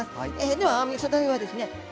ではみそだれはですね